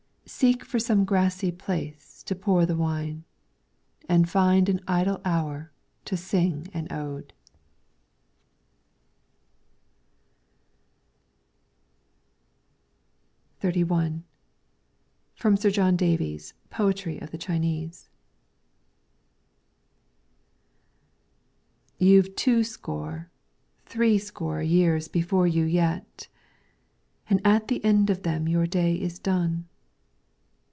Seek for some grassy place to pour the wine, And find an idle hour to sing an ode. 34 LYRICS FROM THE CHINESE XXXI From Sir John Davies' ' Poetry of the Chinese.' You 'vE two score, three score years before you yet, And at the end of them your day is done.